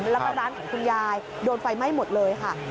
แล้วก็ร้านของคุณยายโดนไฟไหม้หมดเลยค่ะ